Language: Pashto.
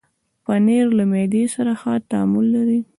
پنېر له معدې سره ښه تعامل لري.